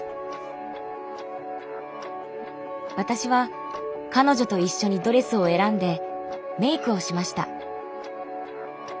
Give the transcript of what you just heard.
私は彼女と一緒にドレスを選んでメイクをしました。